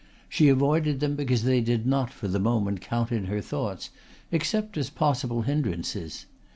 She avoided them because they did not for the moment count in her thoughts, except as possible hindrances.